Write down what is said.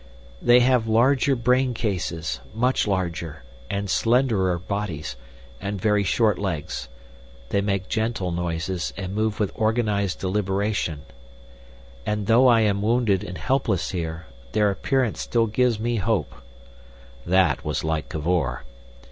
"They have larger brain cases—much larger, and slenderer bodies, and very short legs. They make gentle noises, and move with organized deliberation... "And though I am wounded and helpless here, their appearance still gives me hope." That was like Cavor.